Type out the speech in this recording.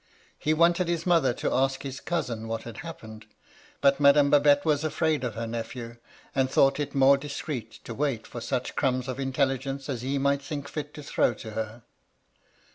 He wanted his mother to ask his cousin what had happened. But Madame Babette was afraid of her nephew, and thought it more discreet to wait for such crumbs of intelligence as he might think fit to throw to her.